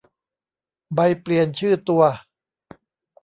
ใบเปลี่ยนชื่อตัว